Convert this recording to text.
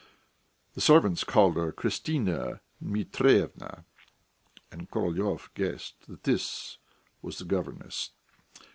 The servants called her Christina Dmitryevna, and Korolyov guessed that this was the governess.